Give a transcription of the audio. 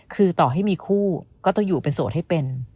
คือต่อให้มีคู่ก็ต้องอยู่เป็นโสดให้เป็น